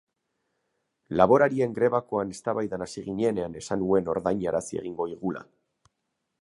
Laborarien grebakoan eztabaidan hasi ginenean esan huen ordainarazi egingo higula.